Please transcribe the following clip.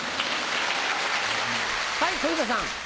はい小遊三さん。